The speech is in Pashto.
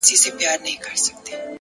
مثبت فکر د ذهن دروازې پرانیزي.